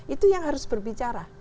itu yang harus berbicara